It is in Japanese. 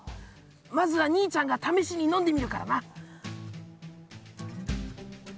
まずは兄ちゃんが試しに飲んでみるからな。